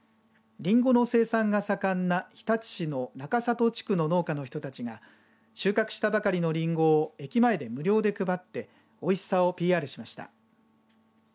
りんごの生産が盛んな日立市の中里地区の農家の人たちが収穫したばかりのりんごを駅前で無料で配っておいしさをＰＲしました。